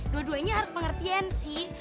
dua duanya harus pengertian sih